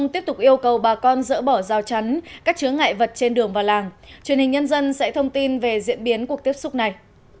trên đường vào làng truyền hình nhân dân sẽ thông tin về diễn biến cuộc tiếp xúc này